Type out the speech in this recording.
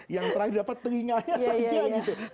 yang terakhir dapat telinganya saja gitu